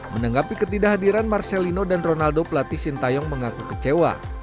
menanggapi ketidakhadiran marcelino dan ronaldo pelatih sintayong mengaku kecewa